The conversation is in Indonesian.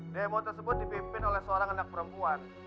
demo tersebut dipimpin oleh seorang anak perempuan